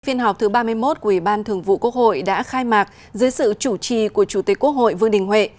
phiên họp thứ ba mươi một của ủy ban thường vụ quốc hội đã khai mạc dưới sự chủ trì của chủ tịch quốc hội vương đình huệ